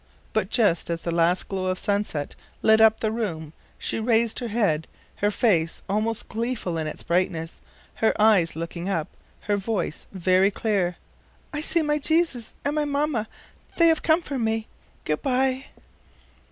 But just as the last glow of sunset lit up the room she raised her head, her face almost gleeful in its brightness, her eyes looking up, her voice very clear: "I see my Jesus and my mamma; they have come for me. Good by!